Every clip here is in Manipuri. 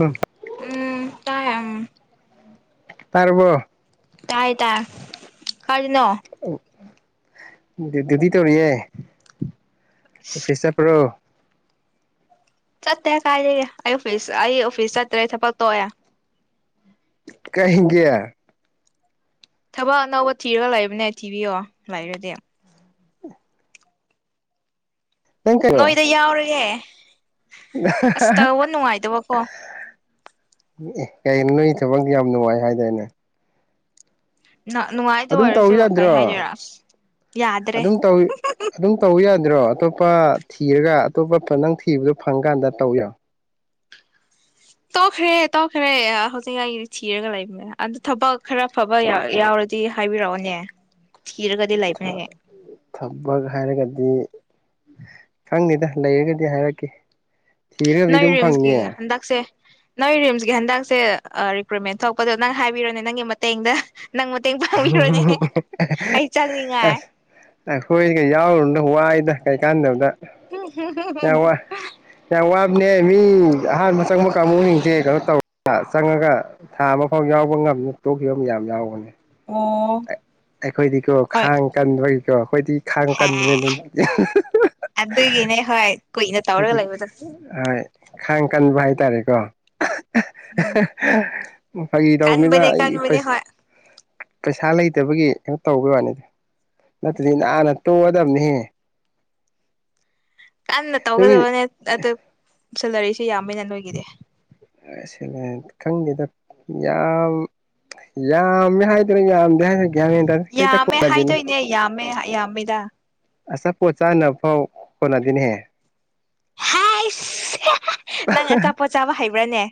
ꯎꯝ ꯎꯝ ꯇꯥꯏ ꯇꯔꯕꯣ ꯇꯥꯏ ꯇꯥꯏ ꯑꯅ ꯗꯨꯗꯤ ꯇꯧꯔꯤꯑꯦ ꯑꯣꯐꯤꯁ ꯄ꯭ꯔꯣ ꯆꯠꯇꯦ ꯀꯥꯏꯔꯒꯦ ꯑꯩ ꯑꯣꯐꯤꯁ ꯑꯩ ꯑꯣꯐꯤꯁ ꯆꯠꯇ꯭ꯔꯦ ꯊꯕꯛ ꯇꯣꯛꯑꯦ ꯀꯒ ꯊꯕꯛ ꯑꯅꯧꯕ ꯊꯤꯔꯒ ꯂꯩꯕꯅꯦ ꯊꯤꯕꯤꯌꯣ ꯂꯩꯔꯗꯤ ꯅꯪ ꯀꯩꯅꯣ ꯅꯣꯏꯗ ꯌꯥꯎꯔꯦ ꯑꯁ ꯇꯧꯕ ꯅꯨꯡꯉꯥꯏꯗꯕꯀꯣ ꯀꯩꯅꯣ ꯅꯣꯏ ꯊꯕꯛꯗꯤ ꯌꯥꯝ ꯅꯨꯡꯉꯥꯏ ꯍꯥꯏꯗꯥꯏꯅꯦ ꯅꯨꯡꯉꯥꯏꯇ ꯑꯗꯨꯝ ꯇꯧ ꯑꯣꯏꯔꯁꯨ ꯀꯩ ꯌꯥꯗ꯭ꯔꯣ ꯍꯥꯏꯗꯣꯏꯔꯥ ꯌꯥꯗ꯭ꯔꯦ ꯑꯗꯨꯝ ꯇꯧ ꯑꯗꯨꯝ ꯇꯧ ꯌꯥꯗ꯭ꯔꯣ ꯑꯇꯣꯞꯄ ꯊꯤꯔꯒ ꯑꯇꯣꯞꯄ ꯅꯪ ꯊꯤꯕꯗꯣ ꯐꯪꯀꯥꯟꯗ ꯇꯧ ꯌꯥ ꯇꯧꯈ꯭ꯔꯦ ꯇꯧꯈ꯭ꯔꯦ ꯍꯧꯖꯤꯛ ꯑꯩꯗꯤ ꯊꯤꯔꯒ ꯂꯩꯕꯅꯦ ꯑꯗꯨ ꯊꯕꯛ ꯈꯔ ꯐꯕ ꯌꯥꯎꯔꯗꯤ ꯍꯥꯏꯕꯤꯔꯛꯑꯣꯅꯦ ꯊꯤꯔꯒꯗꯤ ꯂꯩꯕꯅꯦ ꯊꯕꯛ ꯍꯥꯏꯔꯒꯗꯤ ꯈꯪꯅꯤꯗ ꯂꯩꯔꯒꯗꯤ ꯍꯥꯏꯔꯛꯀꯦ ꯊꯤꯔꯒꯗꯤ ꯅꯣꯏ ꯑꯗꯨꯝ ꯔꯤꯝꯁꯀꯤ ꯐꯪꯅꯤꯌꯦ ꯍꯟꯗꯛꯁꯦ ꯅꯣꯏ ꯔꯤꯝꯁꯀꯤ ꯍꯟꯗꯛꯁꯦ ꯔꯤꯀ꯭ꯔꯨꯏꯠꯃꯦꯟ ꯊꯣꯛꯂꯄꯗꯣ ꯅꯪ ꯍꯥꯏꯕꯤꯔꯣꯅꯦ ꯅꯪꯒꯤ ꯃꯇꯦꯡꯗ ꯅꯪ ꯃꯇꯦꯡ ꯄꯥꯡꯕꯤꯔꯣꯅꯦ ꯑꯩ ꯆꯪꯅꯤꯡꯉꯥꯏ ꯑꯁ ꯑ ꯍꯣꯏ ꯀ ꯌꯥꯎ ꯋꯥ ꯀꯩ ꯀꯥꯟꯗꯕꯗ ꯎꯝ ꯅꯦ ꯃꯤ ꯑꯍꯥꯟꯕ ꯆꯪꯕ ꯀꯥꯡꯕꯨꯁꯤꯡꯁꯦ ꯀꯩꯅꯣ ꯇꯧꯔꯒ ꯆꯪꯉꯒ ꯊꯥ ꯑꯃ ꯐꯥꯎ ꯌꯥꯎꯕ ꯉꯝꯗꯅ ꯇꯣꯛꯈꯤꯕ ꯌꯥꯝ ꯌꯥꯎꯕꯅꯦ ꯑꯣ ꯑꯩꯈꯣꯏꯗꯤꯀꯣ ꯍꯣꯏ ꯈꯥꯡ ꯀꯟꯕꯒꯤ ꯀꯣ ꯑꯩꯈꯣꯏꯗꯤ ꯈꯥꯡ ꯍꯦ ꯀꯥꯟꯗꯗꯤ ꯑꯗꯨꯒꯤꯅꯦ ꯍꯣꯏ ꯀꯨꯏꯅ ꯑꯩꯈꯗꯤ ꯇꯧꯔꯒ ꯂꯩꯕꯗꯣ ꯑꯣꯏ ꯈꯥꯡ ꯀꯟꯕ ꯍꯥꯏꯇꯥꯔꯦꯀꯣ ꯎꯝ [unintelligible] ꯐꯒꯤ ꯇꯧꯕꯅꯤꯅ ꯀꯟꯕꯅꯦ ꯑꯩ ꯀꯟꯕꯅꯦ ꯄꯩꯁ ꯍꯣꯏ ꯄꯩꯁꯥ ꯂꯩꯇꯕꯒꯤ ꯇꯧꯕꯒꯤ ꯋꯥꯅꯤꯗ ꯅꯠꯇ꯭ꯔꯗꯤ ꯅꯥꯥꯟꯅ ꯇꯣꯛꯑꯗꯕꯅꯤꯍꯦ ꯀꯟꯅ ꯑꯗꯨꯒꯤ ꯇꯧꯒꯗꯕꯅꯦ ꯑꯗꯨ ꯁꯦꯂꯔꯤꯁꯤꯦ ꯌꯥꯝꯃꯦꯅ ꯅꯣꯏꯒꯤꯗ ꯑꯁ ꯈꯪꯗꯦꯗ ꯌꯥꯝ ꯌꯥꯝꯃꯦ ꯍꯥꯏꯗꯅ ꯌꯥꯝꯗꯦ ꯍꯥꯏꯔ ꯗꯇ ꯄꯨꯅꯥꯗꯅꯦ ꯑꯦꯃꯤꯗ ꯑꯁ ꯄꯣꯠ ꯆꯥꯅꯕ ꯐꯥꯎ ꯀꯣꯟꯅꯗꯤꯅꯦꯍꯦ ꯍ ꯅꯪ ꯑꯆꯥꯄꯣꯠ ꯆꯥꯕ ꯍꯩꯕ꯭ꯔꯥꯅꯦ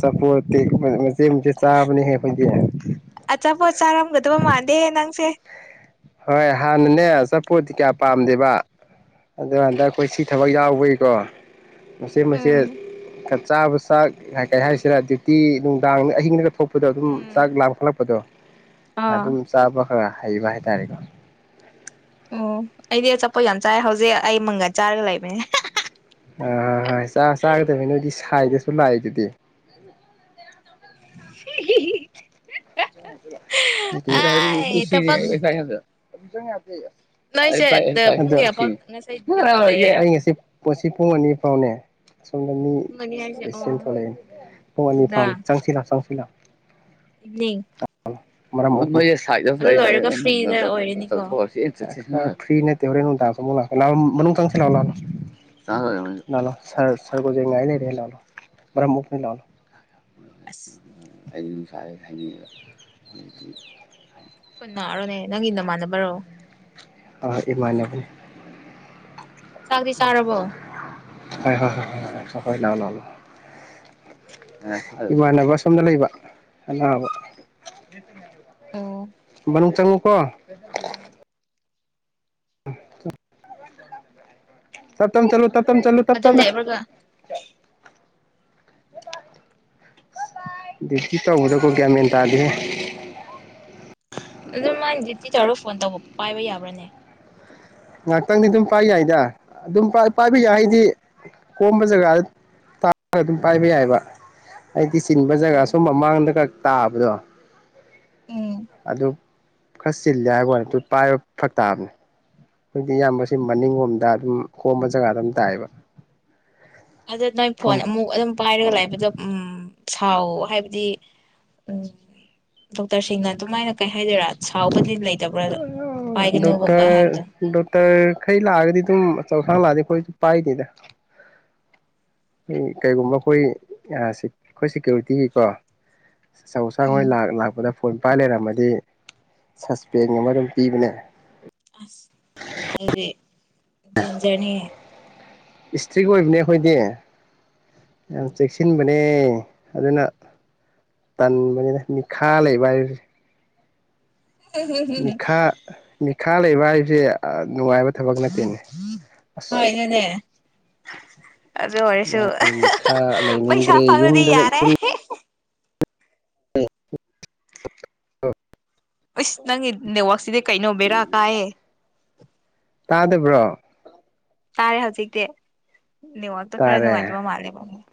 ꯆꯄꯣꯠꯇꯤ ꯃꯆꯦ ꯃꯆꯦ ꯆꯥꯕꯅꯦꯍꯦ ꯑꯩꯈꯣꯏꯒꯤ ꯑꯆꯥꯄꯣꯠ ꯆꯥꯔꯝꯒꯗꯕ ꯃꯥꯟꯗꯦꯌꯦ ꯅꯪꯁꯦ ꯍꯣꯏ ꯍꯥꯟꯅꯅꯦ ꯆꯠꯄꯣꯗꯤ ꯀꯌꯥ ꯄꯥꯝꯗꯦꯕ ꯑꯗꯨꯣ ꯍꯟꯗꯛ ꯑꯩꯈꯣꯏ ꯁꯤ ꯊꯕꯛ ꯌꯥꯎꯕꯒꯤꯀꯣ ꯃꯆꯦ ꯃꯁꯦ ꯎꯝ ꯆꯥꯕ ꯆꯥꯛ ꯀ ꯀꯩ ꯍꯥꯏꯔꯤꯁꯤꯔ ꯗ꯭ꯌꯨꯇꯤ ꯅꯨꯡꯗꯥꯡ ꯑꯍꯤꯡꯗꯨꯗ ꯊꯣꯛꯄ ꯗꯣ ꯑꯗꯨꯝ ꯆꯥꯛ ꯎꯝ ꯂꯥ ꯈꯠꯂꯛꯄꯗꯣ ꯑꯥ ꯑꯗꯨꯝ ꯆꯥꯕ ꯍꯥꯏꯕ ꯍꯥꯏ ꯌꯥꯔ ꯀ ꯑꯣ ꯑꯩꯗꯤ ꯑꯆꯥꯄꯣꯠ ꯌꯥꯝ ꯆꯥꯏ ꯍꯧꯖꯤꯛ ꯑꯩ ꯃꯪꯒꯟ ꯆꯥꯔꯒ ꯂꯩꯕꯅꯦ ꯑ ꯍꯣꯏ ꯆꯥꯒꯗꯕꯅꯤꯅꯗꯤ ꯁꯥꯏꯗꯁꯨ ꯂꯥꯛꯏꯦ ꯑꯗꯨꯗꯤ ꯍꯅ [unintelligible] ꯁꯤꯅꯦꯗ ꯑꯥꯏ ꯊꯕꯛ ꯅꯣꯏꯁꯦ ꯄꯨꯡ ꯀꯌꯥ ꯐꯥꯎ ꯉꯁꯥꯏ ꯗ꯭ꯌꯨꯇꯤ ꯑꯗꯨ ꯂꯩꯌꯦ ꯆꯪ ꯁꯤ ꯄꯣꯠꯁꯤ ꯄꯨꯡ ꯑꯅꯤ ꯐꯥꯎꯅꯦ ꯑꯁꯣꯝꯗ ꯄꯨꯡ ꯑꯅꯤ ꯍꯥꯏꯁꯦ ꯃꯤꯁꯤ ꯑꯣ ꯊꯣꯛꯣꯔꯛ ꯄꯨꯡ ꯑꯅꯤ ꯐꯥꯝꯅꯤ ꯆꯪꯁꯤꯜꯂꯛꯑꯣ ꯆꯪꯁꯤꯜꯂꯥꯛꯑꯣ ꯏꯕꯅꯤ ꯃ ꯁꯥꯏꯦ ꯂꯣꯏꯔꯒ ꯐ꯭ꯔꯤꯗ ꯑꯣꯏꯔꯅꯤꯀꯣ ꯆꯊꯣꯛꯑ ꯆꯁꯤ ꯐ꯭ꯔꯤ ꯅꯠꯇꯦ ꯍꯣꯔꯦꯟ ꯅꯨꯡ ꯇ ꯑꯃꯨꯛ ꯂꯥꯛ ꯂꯥꯛꯑꯣ ꯆꯪꯁꯤ ꯂꯥꯛꯑꯣ ꯂꯥꯛꯣ ꯂꯣ ꯉꯥꯏ ꯂꯩꯔꯦ ꯂꯥꯛꯑꯣꯣ ꯃꯔꯝꯨꯛ ꯂꯥꯛꯑꯣꯣ ꯑꯁ ꯑꯩ ꯅꯨꯡꯁꯥꯏ ꯍꯥꯏꯅꯤꯡꯉꯤꯕ ꯑ ꯀꯟꯅꯔꯣꯅꯦ ꯅꯪꯒꯤ ꯅꯃꯥꯟꯅꯕꯔꯣ ꯑ ꯏꯃꯥꯟꯅꯦꯕꯅꯦ ꯆꯥꯛꯗꯤ ꯁꯥꯥꯔꯔꯕꯣ ꯍꯣꯏ ꯍꯣꯏ ꯍꯣꯏ ꯍꯣꯏ ꯂꯥꯛꯑꯣ ꯂꯥꯛꯑꯣ ꯂꯥꯛꯑꯣ ꯏꯃꯥꯟꯅꯕ ꯑꯁꯣꯝꯗ ꯂꯩꯕ ꯑꯅꯥꯕ ꯑꯣ ꯅ ꯆꯪꯉꯨꯀꯣ [unintelligible] ꯁꯞꯇꯝ ꯆꯂꯣ ꯇꯠꯇ ꯆꯂꯨ ꯑꯗꯨ ꯇꯠꯇ ꯗ ꯂꯦꯞꯔꯒ ꯇ ꯎꯗ ꯀꯣ ꯀꯌꯥ ꯃꯦꯟꯦꯟ ꯇꯗꯦ ꯑꯗꯨ ꯃꯥꯥꯏꯅꯗꯤ ꯇꯤ ꯇꯧꯔꯒ ꯐꯣꯟ ꯇꯧꯕ ꯄꯥꯏꯕ ꯌꯥꯕ꯭ꯔꯅꯦ ꯉꯥꯏꯍꯥꯛꯇꯪꯗꯤ ꯑꯗꯨꯝ ꯄꯥꯏꯕ ꯌꯥꯏꯗ ꯑꯗꯨꯝ ꯄꯥꯏꯕ ꯌꯥꯏ ꯍꯥꯏꯗꯤ ꯀꯣꯝꯕ ꯖꯒꯥꯗ ꯇꯥꯒ ꯑꯗꯨꯝ ꯄꯥꯏꯕ ꯌꯥꯏꯕꯗꯤ ꯇ ꯆꯤꯟꯕ ꯖꯒꯥ ꯑꯣ ꯁꯣꯨꯝ ꯃꯃꯥꯡꯗꯒ ꯇꯥꯕꯗꯣ ꯎꯝ ꯑꯗꯨ ꯈꯔ ꯆꯤꯜꯂꯦ ꯍꯥꯏꯀꯣꯅꯦ ꯑꯗꯨ ꯄꯥꯏꯕ ꯐꯛ ꯇꯥꯕꯅꯦ ꯍꯧꯖꯤꯛꯇ ꯏꯌꯥꯝꯕꯕꯁꯤ ꯃꯅꯤꯡꯂꯣꯝꯗ ꯑꯗꯨꯝ ꯈꯣꯝꯕ ꯖꯒꯥꯗ ꯑꯗꯨꯝ ꯇꯥꯛꯑꯕ ꯑꯗꯨ ꯅꯣꯏ ꯐꯣꯟ ꯑꯃꯨꯛ ꯑꯗꯨꯝ ꯄꯥꯏꯔꯒ ꯂꯩꯥꯛꯕꯗꯣ ꯎꯝ ꯁꯥꯎ ꯍꯥꯏꯕꯗꯤ ꯎ ꯗꯣꯛꯇꯔꯁꯤꯡꯅ ꯑꯗꯨꯃꯥꯏꯅ ꯀꯩ ꯍꯥꯏꯗꯣꯏꯔꯥ ꯁꯥꯎꯕꯗꯤ ꯂꯩ ꯗꯣꯛꯇꯔ ꯗꯣꯛꯇꯔ ꯈꯩ ꯂꯥꯛꯑꯒꯗꯤ ꯑꯗꯨꯝ ꯆꯧꯁꯥꯡ ꯂꯥꯛꯑꯗꯤ ꯑꯩꯈꯣꯏꯁꯨ ꯄꯥꯏꯅꯤꯗ ꯑꯩꯣꯏ ꯀꯩꯒꯨꯝꯕ ꯑꯩꯈꯣꯏ ꯑꯩꯈꯣꯏ ꯁꯦꯀ꯭ꯌꯨꯔꯤꯇꯤꯒꯤꯀꯣ ꯆꯆꯧ ꯆꯥꯡꯍꯣꯏ ꯎꯝ ꯂꯥꯛꯄꯗ ꯐꯣꯟ ꯄꯥꯏ ꯂꯩꯔꯝꯃꯗꯤ ꯄꯦꯡ ꯑꯃꯔꯝ ꯄꯤꯕꯅꯦ ꯑꯁ ꯑꯗꯨꯦ ꯦꯟꯖꯅꯤ ꯏꯁꯇ꯭ꯔꯤꯛ ꯑꯣꯏꯕꯅꯦ ꯑꯩꯈꯣꯏꯗꯤ ꯌꯥꯝ ꯆꯦꯛꯁꯤꯟꯕꯅꯦ ꯑꯗꯨꯅ ꯇꯟꯕꯅꯤꯅ ꯃꯤꯈꯥ ꯂꯩꯕ ꯍꯥꯏꯁꯦ ꯃꯤꯈꯥ ꯃꯤ ꯈꯥ ꯂꯩꯕ ꯍꯥꯏꯁꯦ ꯅꯨꯡꯉꯥꯏꯕ ꯊꯕꯛ ꯅꯠꯇꯦꯅꯦ ꯍꯅꯦꯅꯦ ꯃꯥ ꯃꯤꯈꯥ ꯂꯩꯅꯤꯡꯗ꯭ꯔꯦ ꯄꯩꯁꯥ ꯐꯪꯔꯗꯤ ꯌꯨꯝꯗ ꯌꯥꯔꯦ ꯌꯨꯝ ꯏꯁ ꯅꯪ ꯅꯦ ꯋꯥꯥꯛꯁꯤꯗꯦ ꯀꯩꯅꯣꯕꯕꯤꯔꯥ ꯀꯥꯏꯑꯌꯦ ꯇꯥꯗꯕ꯭ꯔꯣ ꯇꯥꯔꯦ ꯍꯧꯖꯤꯛꯇꯤ ꯅꯦꯋꯥꯔꯛꯇꯣ ꯈꯔ ꯇꯥꯔꯦ ꯅꯨꯡꯉꯥꯏꯇꯕ ꯃꯥꯂꯦ ꯀꯣ ꯃꯨꯛ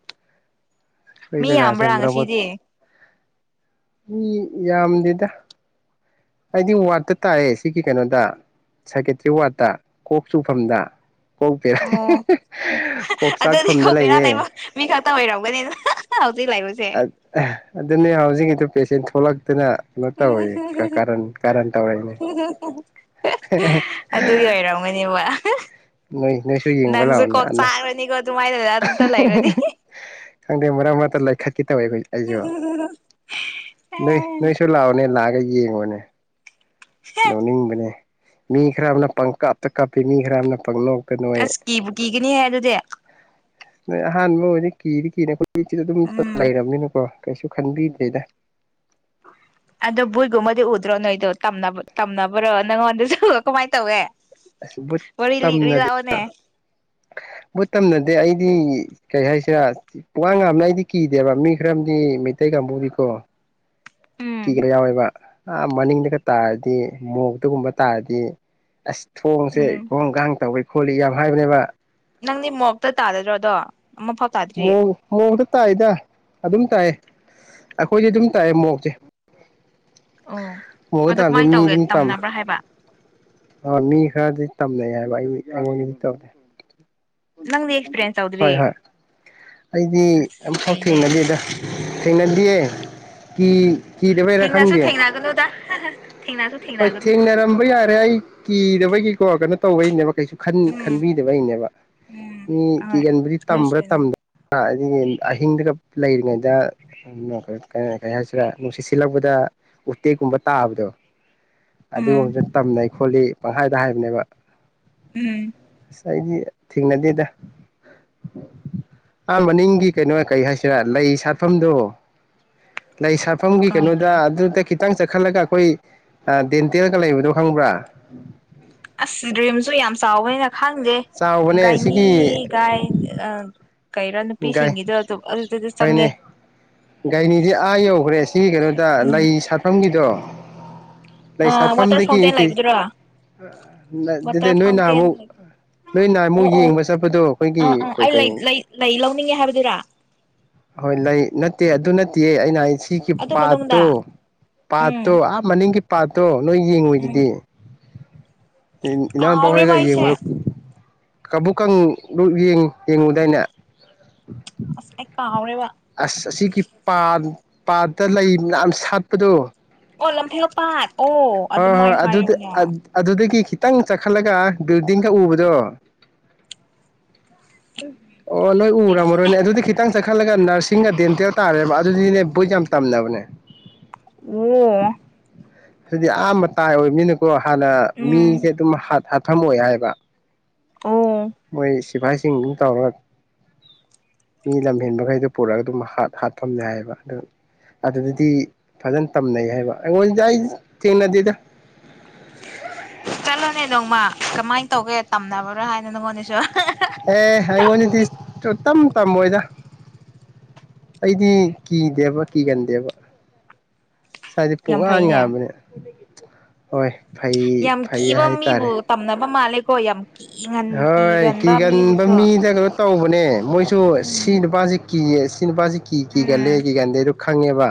ꯑꯩꯈꯣꯏ ꯃꯤ ꯖꯒꯥꯁꯦ ꯌꯥꯝꯕ꯭ꯔꯥ ꯃꯔꯛ ꯃꯔꯛ ꯉꯁꯤꯗꯤ ꯃꯤ ꯌꯥꯝꯗꯦꯗ ꯑꯩꯗꯤ ꯋꯥꯔꯗꯠꯇ ꯇꯥꯏꯑꯦ ꯁꯤꯒꯤ ꯀꯩꯅꯣꯗ ꯁꯥꯏꯀꯦꯇ꯭ꯔꯤ ꯋꯥꯔꯗꯠꯇ ꯀꯣꯛ ꯆꯨꯐꯝꯗ ꯀꯣꯛ ꯕꯦꯔꯥ ꯑꯣ ꯀꯣꯛ ꯑꯗꯨꯗꯤ ꯆꯥꯛꯐꯝꯗ ꯀꯣꯛ ꯕꯦꯔꯥ ꯂꯩꯕ ꯂꯩꯌꯦ ꯃꯤ ꯈꯛꯇ ꯑꯣꯏꯔꯝꯒꯅꯤꯗ ꯍ ꯍꯛ ꯑꯥꯎ ꯑꯠ ꯑ ꯑꯗꯨꯅꯤ ꯍꯧꯖꯤꯀꯤꯗꯨ ꯄꯦꯁꯦꯟ ꯊꯣꯂꯛ ꯍꯨꯝ ꯍꯨꯝ ꯍꯨꯝ ꯀꯥꯔꯟ ꯇꯧꯔꯛꯏꯅꯦ ꯍꯨꯝ ꯍꯨꯝ ꯍꯨꯝ ꯑꯗꯨꯒꯤ ꯑꯣꯢꯔꯝꯒꯅꯤꯕ ꯅꯣꯏ ꯅꯣꯏꯁꯨ ꯌꯦꯡꯕ ꯂꯥꯛꯎꯅꯦ ꯑꯟꯅ ꯆꯥꯛꯔꯅꯤꯀꯣ ꯑꯗꯨꯃꯥꯏꯅ ꯑꯗꯨꯗ ꯂꯩꯔꯗꯤ ꯑꯍꯥꯍꯥ ꯑꯩꯖꯨ ꯅꯣꯏ ꯅꯣꯏ ꯑꯁ ꯂꯥꯛꯑꯒ ꯌꯦꯡꯉꯣꯅꯦ ꯅꯣꯅꯤꯡꯕꯅꯦ ꯃꯤ ꯈꯔꯃꯅ ꯄꯪꯀꯞ ꯀꯥꯞꯄꯤ ꯃꯤ ꯈꯔꯃꯅ ꯄꯥꯡꯅꯣꯛꯇ ꯅꯣꯛꯏ ꯀꯤꯕꯨ ꯀꯤꯒꯅꯤꯍꯦ ꯑꯗꯨꯗꯤ ꯅꯣꯏ ꯑꯍꯥꯟꯕ ꯑꯣꯏꯗꯤ ꯀꯤꯗꯤ ꯀꯤꯅꯦ ꯀꯣ ꯃꯤꯆꯤꯗ ꯗꯨꯝ ꯎꯝ ꯂꯩꯔꯕꯝꯃꯤꯅꯀꯣ ꯀꯩꯁꯨ ꯈꯟꯕꯤꯗꯦꯗ ꯑꯗꯣ ꯕꯨꯗꯒꯨꯝꯕꯗꯤ ꯎꯗ꯭ꯔꯣ ꯅꯣꯏꯗꯣ ꯇꯝꯅꯕ ꯇꯝꯅꯕ꯭ꯔꯣ ꯅꯪꯉꯣꯟꯗꯁꯨ ꯀꯃꯥꯏꯅ ꯇꯧꯋꯦ ꯑꯁꯤ ꯕꯨꯠ ꯋꯥꯔꯤ ꯂꯤ ꯇꯝꯅꯗꯦ ꯂꯤꯔꯛꯑꯣꯅꯦ ꯕ ꯕꯨꯠ ꯇꯝꯅꯗꯦ ꯑꯩ ꯗꯤ ꯀꯩ ꯍꯥꯏꯁꯤꯔ ꯆꯤꯥ ꯄꯨꯉꯥꯟ ꯉꯥꯟꯃꯤꯅ ꯑꯩꯗꯤ ꯀꯤꯗꯦꯕ ꯃꯤ ꯈꯔꯝꯗꯤ ꯃꯩꯇꯩ ꯀꯥꯡꯕꯨꯗꯤꯀꯣ ꯎꯝ ꯀꯤꯕ ꯌꯥꯎꯔꯦꯕ ꯑ ꯃꯅꯤꯡꯗꯒ ꯇꯥꯔꯗꯤ ꯃꯣꯛꯇ ꯒꯨꯝꯕ ꯇꯥꯔꯗꯤ ꯑꯁ ꯊꯣꯡꯁꯦ ꯎꯝ ꯒꯣꯡ ꯒꯥꯡ ꯇꯧꯋꯦ ꯈꯣꯂꯤ ꯌꯥꯝ ꯍꯥꯏꯕꯅꯦꯕ ꯅꯪꯗꯤ ꯃꯣꯛꯇ ꯇꯥꯔꯗ꯭ꯔꯣ ꯗꯣ ꯃ ꯃꯨꯗ [inaudible] ꯇꯥꯏ ꯇ ꯑꯗꯨꯝ ꯇꯥꯏꯑꯦ ꯑꯩꯈꯣꯏꯗꯤ ꯑꯗꯨꯝ ꯇꯥꯏꯑꯦ ꯃꯣꯔꯣꯛꯇꯤ ꯑꯣ ꯃ ꯑꯗꯣ ꯇꯥꯔꯗꯤ ꯀꯃꯥꯏꯅ ꯃꯤ ꯇꯧꯒꯦ ꯑꯗꯨꯝ ꯇꯝꯃꯦ ꯇꯝꯅꯕ꯭ꯔꯥ ꯍꯥꯏꯕ ꯑ ꯃꯤ ꯈꯔꯗꯤ ꯇꯝꯅ ꯌꯥꯔ [inaudible] ꯅꯤ ꯇꯕꯗ [inaudible] ꯅꯪꯗꯤ ꯑꯦꯛꯁꯄꯤꯔꯤꯌꯦꯟꯁ ꯇꯧꯗ꯭ꯔꯤ ꯑꯩꯗꯤ ꯑꯁ ꯑꯃꯨꯛꯐꯥꯎ ꯐꯩꯅꯦ ꯊꯦꯡꯅꯗꯦꯗꯥ ꯊꯦꯡꯅꯗꯦꯌꯦ ꯀꯤ ꯀꯤꯗꯕꯩꯔꯥ ꯊꯦꯡꯅꯁꯨ ꯈꯪꯒꯦ ꯊꯦꯡꯅꯒꯅꯨꯗ ꯊꯦꯡꯅꯁꯨ ꯍꯣꯏ ꯊꯦꯡꯅꯒꯅꯨ ꯊꯦꯡꯅꯔꯝꯕ ꯌꯥꯔꯦ ꯑꯩ ꯀꯤꯗꯕꯒꯤꯀꯣ ꯀꯩꯅꯣ ꯇꯧꯕꯩꯅꯦꯕ ꯎꯝ ꯈꯟꯕꯤꯗꯕꯩꯅꯦꯕ ꯎꯝ ꯃꯤ ꯍꯣꯏ ꯀꯤꯒꯟꯕꯗꯤ ꯇꯥꯝꯕꯔꯥ ꯇꯥꯝꯗꯕ꯭ꯔꯥ ꯑꯗꯨꯗꯤ ꯑꯍꯤꯡꯗꯨꯒ ꯂꯩꯔꯤꯉꯩꯗꯩ ꯍꯥꯏꯁꯤꯔꯥ ꯅꯨꯡꯁꯤꯠ ꯁꯤꯜꯂꯛꯄꯗ ꯎꯇꯦꯛꯀꯨꯝꯕ ꯇꯥꯕꯗꯣ ꯑꯗꯨꯗꯤ ꯎꯝ ꯍꯧ ꯇꯝ ꯍꯣꯂꯤ ꯄꯪꯈꯥꯏꯗ ꯍꯥꯏꯕꯅꯦꯕ ꯎꯝ ꯉꯁꯥꯏ ꯑꯩꯗꯤ ꯊꯦꯡꯅꯗꯦꯗ ꯑ ꯃꯅꯤꯡꯒꯤ ꯀꯩꯅꯣ ꯀꯩ ꯍꯥꯏꯁꯤꯔ ꯂꯩ ꯁꯥꯠꯐꯝꯗꯨꯣ ꯂꯩ ꯁꯥꯐꯝꯒꯤ ꯀꯩꯅꯣꯗ ꯀꯥꯏꯗꯔ ꯑꯗꯨꯗ ꯈꯤꯇꯪ ꯆꯠꯈꯠꯂꯒ ꯑꯩꯈꯣꯏ ꯗꯦꯟꯇꯦꯜꯒ ꯂꯩꯕꯗꯣ ꯈꯪꯕ꯭ꯔꯥ ꯑꯁ ꯗ꯭ꯔꯤꯝꯁꯨ ꯌꯥꯝ ꯆꯥꯎꯕ ꯈꯥꯡꯗꯦ ꯆꯥꯎꯕꯅꯦ ꯒꯥꯏꯅꯤ ꯁꯤꯒꯤ ꯒꯥꯏ ꯑ ꯒꯥꯏ ꯍꯣꯏꯅꯦ ꯆꯪꯉꯦ ꯒꯥꯏꯅꯤꯗꯤ ꯑꯥ ꯌꯧꯈ꯭ꯔꯦ ꯁꯤꯒꯤ ꯀꯩꯅꯣꯗ ꯂꯩ ꯎꯝ ꯁꯥꯠꯐꯝꯒꯤꯗꯣ ꯂꯩ ꯋꯥꯇꯔ ꯁꯥꯠꯐꯝꯗꯒꯤ ꯐꯥꯎꯟꯇꯦꯟ ꯂꯩꯕꯗꯨꯔꯣ ꯑꯗꯨꯗꯤ ꯋꯥꯇꯔ ꯅꯣꯏꯅ ꯐꯥꯎꯟꯇꯦꯟ ꯑꯃꯨꯛ ꯅꯣꯏꯅ ꯑꯣ ꯑꯃꯨꯛ ꯑꯣ ꯌꯦꯡꯕ ꯆꯠꯄꯗꯣ ꯑꯩꯈꯣꯏꯒꯤ ꯀ ꯍꯥꯏꯅꯤꯡꯉꯦ ꯍꯥꯏꯕꯗꯨꯔꯥ ꯍꯣꯏ ꯂꯩ ꯅꯠꯇꯦ ꯑꯗꯨ ꯅꯠꯇꯦꯌꯦ ꯑꯩꯅ ꯁꯤꯒꯤ ꯑꯗꯨ ꯃꯅꯨꯡꯗ ꯄꯥꯇꯣ ꯎꯝ ꯄꯥꯠꯇꯣ ꯑ ꯃꯅꯤꯡꯒꯤ ꯄꯥꯣ ꯇꯣ ꯅꯣꯏ ꯎꯝ ꯌꯦꯡꯉꯨꯗꯨꯗꯤ ꯏ ꯀꯥꯎꯔꯦꯕ ꯄꯗꯌꯦ ꯑꯩꯁꯦ ꯀꯥꯡꯕꯨ ꯀꯥꯡ ꯌꯦꯡ ꯌꯦꯡꯉꯨꯗꯥꯏꯅ ꯑꯁ ꯑꯩ ꯀꯥꯎꯔꯦꯕ ꯑꯁ ꯑꯁꯤꯒꯤꯒꯤ ꯄꯥꯠ ꯄꯥꯠꯇ ꯂꯩꯅ ꯁꯥꯠꯄꯗꯣ ꯑꯣꯂꯦꯝꯄꯤꯤꯣ ꯄꯁ ꯍ ꯍ ꯑꯗꯨꯗꯤ ꯑꯗꯨꯗꯤ ꯀꯈꯤ ꯈꯤꯇꯪ ꯆꯈꯠꯂꯒ ꯕꯤꯜꯗꯤꯡꯒ ꯎꯕꯗꯣ ꯑꯣ ꯀꯔꯤ ꯅꯣꯏ ꯄꯨꯗꯣꯏꯅꯣ ꯈꯪꯗꯦ ꯎꯔꯝꯃꯔꯣꯏꯅꯦ ꯑꯗꯨꯗꯤ ꯈꯤꯇꯪ ꯆꯠꯈꯠꯂꯒ ꯅꯔꯁꯤꯡꯒ ꯗꯦꯟꯇꯦꯜ ꯇꯥꯔꯦꯕ ꯑꯗꯨꯗꯤꯅꯦ ꯕꯣꯏꯠ ꯌꯥꯝ ꯇꯝꯅꯕꯅꯦ ꯎ ꯁꯤꯗꯤ ꯑꯥꯝꯕ ꯇꯥꯏ ꯑꯣꯏꯕꯅꯤꯅꯀꯣ ꯍꯥꯟꯅ ꯎꯝ ꯃꯤꯁꯦ ꯑꯗꯨꯝ ꯍꯥ ꯊꯝꯃꯣꯏ ꯍꯥꯏꯕ ꯑꯣ ꯃꯣꯏ ꯁꯤꯐꯥꯏꯁꯤꯡ ꯑꯗꯨ ꯇꯧꯔꯒ ꯃꯤ ꯂꯝꯍꯦꯟꯕꯈꯩꯗꯣ ꯄꯨꯔꯛꯒ ꯑꯗꯨꯝ ꯍꯥꯠꯐꯝꯅꯦ ꯍꯥꯏꯕ ꯑꯗꯨ ꯑꯗꯨꯗꯗꯤ ꯐꯖꯅ ꯇꯝꯅꯩ ꯍꯥꯏꯕ ꯑꯩꯉꯣꯟꯗ ꯑꯩ ꯊꯦꯡꯅꯗꯦꯗ ꯆꯠꯂꯣꯅꯦ ꯅꯣꯡꯃ ꯀꯃꯥꯏꯅ ꯇꯧꯒꯦ ꯇꯝꯅꯕ꯭ꯔꯥ ꯍꯥꯏꯅꯣ ꯅꯪꯉꯣꯅꯦꯁꯨ ꯑꯦ ꯍꯥꯏ ꯋꯥꯅꯤꯗꯤ ꯇꯝ ꯇꯝꯃꯣꯏꯗ ꯑꯩꯗꯤ ꯀꯤꯗꯦꯕ ꯀꯤꯒꯟꯗꯦꯕ ꯁꯗꯤ ꯄ ꯌꯥꯝ ꯐꯩꯅꯦ ꯌꯥꯕꯅꯦ ꯍꯣꯏ ꯐꯩ ꯌꯥꯝ ꯐꯩ ꯀꯤꯕ ꯃꯤꯕꯨ ꯇꯝꯅꯅꯕ ꯃꯥꯂꯦ ꯈꯣꯏ ꯌꯥꯝ ꯀꯤꯒꯟ ꯍ ꯀ ꯀꯤꯒꯟꯕ ꯃꯤꯕꯨꯁꯨ ꯀꯥꯟꯕꯝꯃꯤꯖꯒ ꯇꯧꯕꯅꯦ ꯃꯣꯏ ꯁ ꯁꯤ ꯎꯝ ꯅꯨꯕꯖꯤ ꯁꯤꯅꯦꯄꯥꯖꯤ ꯀ ꯀꯂꯦ ꯎꯝ ꯀꯦ ꯔꯗꯨ ꯈꯪꯉꯦꯕ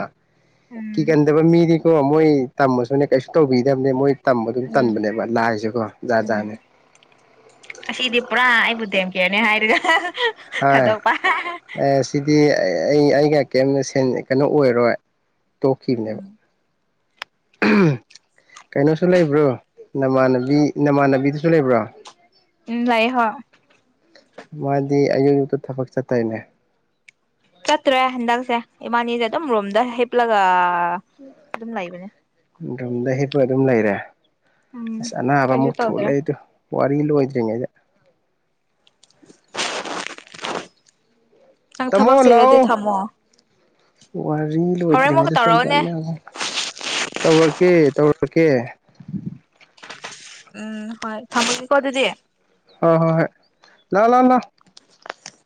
ꯀ ꯎꯝ ꯀꯩꯗ ꯃꯤꯗꯤ ꯑꯣ ꯃꯣꯏ ꯇꯝꯃꯁꯨꯅꯦ ꯀꯩꯁꯨ ꯇꯧꯕꯤꯗꯕꯅꯦ ꯃꯣꯏ ꯇꯝꯕ ꯑꯗꯨꯝ ꯎꯝ ꯇꯟꯕꯅꯦꯕ ꯂꯥꯏꯁꯨꯀꯣ ꯖꯥꯠ ꯖꯥꯠꯅꯦ ꯎꯝ ꯁꯤꯗꯤ ꯄꯨꯔꯥ ꯑꯩꯕꯨꯗꯤꯦꯝ ꯀꯦꯅꯦ ꯍꯥꯏ ꯏ ꯍꯥ ꯑꯦ ꯁꯤ ꯗꯤ ꯑꯩ ꯑꯩꯒ ꯀꯔꯤꯝꯇ ꯀꯩꯅꯣ ꯑꯣꯏꯔꯣꯏ ꯇꯣꯀꯤꯅꯦꯕ ꯎꯝ ꯀꯩꯅꯣꯁꯨ ꯂꯩꯕ꯭ꯔꯣ ꯅꯃꯥꯟꯅꯕꯤ ꯅꯃꯥꯟꯅꯕꯤꯗꯨꯁꯨ ꯂꯩꯕ꯭ꯔꯣ ꯎꯝ ꯂꯩꯥꯏꯍꯣ ꯃꯥꯗꯤ ꯑꯌꯨꯛ ꯑꯨꯛꯇ ꯊꯕꯛ ꯆꯠꯊꯅꯦ ꯆꯠꯇ꯭ꯔꯦ ꯍꯟꯗꯛꯁꯦ ꯏꯃꯥꯅꯤꯁꯦ ꯑꯗꯨꯝ ꯔꯣꯝꯗ ꯍꯤꯞꯂꯒ ꯑꯗꯨꯝ ꯂꯩꯕꯅꯦ ꯝꯗ ꯍꯤꯄ ꯑꯗꯨꯝ ꯂꯩꯔꯦ ꯎꯝ ꯅꯕ ꯃꯨ ꯀꯩꯁꯨ ꯊꯨ ꯇꯧꯗ꯭ꯔꯦ ꯂꯩꯦ ꯄꯨꯋꯥ ꯐꯇꯔꯉꯦ [unintelligible] ꯇꯥꯝꯃꯣ ꯊꯕꯛ ꯆꯤꯜꯂꯗꯤ ꯂꯥꯛꯑꯣ ꯊꯝꯃꯣ ꯋꯥꯔꯤꯅꯤ ꯍꯣꯔꯦꯟ ꯑꯃꯨꯛꯀ ꯂꯣꯏꯗ꯭ꯔꯤꯉꯩꯗ ꯁꯣꯝ ꯇ ꯇꯧꯔꯛꯑꯣꯅꯦ ꯇꯧꯔꯛꯀꯦ ꯇꯧꯔꯛꯀꯦ ꯎꯝ ꯍꯣꯏ ꯊꯝꯃꯅꯤ ꯀꯣ ꯑꯗꯨꯗꯤ ꯍ ꯍꯣ ꯍꯣꯏ ꯂꯥꯛ ꯂꯥꯛ ꯂ